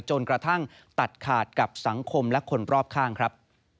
จนกระทั่งตัดขาดกับสังคมและคนรอบข้างครับ